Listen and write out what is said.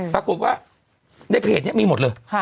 ปรากฏว่าในเพจนี้มีหมดเลย